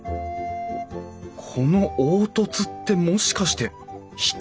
この凹凸ってもしかして引き戸？